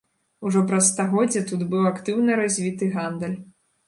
Ужо праз стагоддзе тут быў актыўна развіты гандаль.